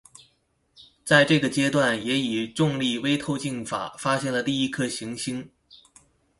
在这个阶段也以重力微透镜法发现了第一颗行星。